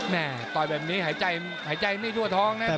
เนี่ยต่อยแบบนี้หายใจไม่ชั่วท้องเนี่ย